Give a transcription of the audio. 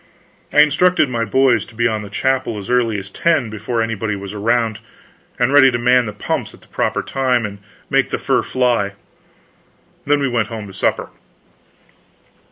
I instructed my boys to be in the chapel as early as 10, before anybody was around, and be ready to man the pumps at the proper time, and make the fur fly. Then we went home to supper.